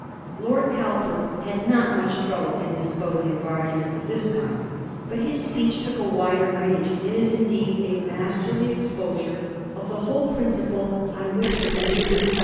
Lord Cowper had not much trouble in disposing of arguments of this kind, but his speech took a wider range, and is indeed a masterly exposure of the Digiti zed by Google 286 A HISTORY OF THE FOUR GEORGES, ch.